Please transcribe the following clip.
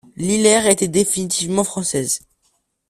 Lillers était définitivement française.